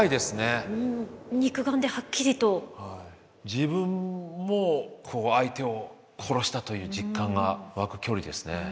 自分も相手を殺したという実感が湧く距離ですね。